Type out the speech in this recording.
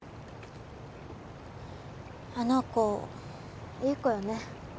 あの子いい子よね